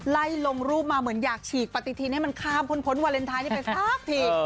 ไล่ลงรูปมาเหมือนอยากฉีกปฏิทินให้มันข้ามพ้นวาเลนไทยนี้ไปสักที